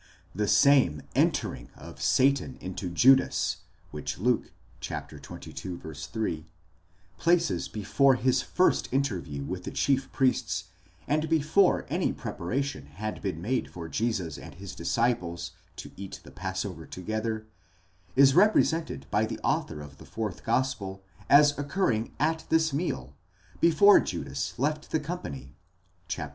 The same entering (εἰσελθεῖν) of Satan into Judas, which Luke (xxii. 3) places before his first interview with the chief priests, and before any preparation had been made for Jesus and his disciples to eat the passover together, is represented by the author of the fourth gospel as occurring at this meal, before Judas left the company (xiii.